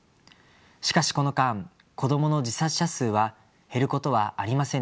しかしこの間こどもの自殺者数は減ることはありませんでした。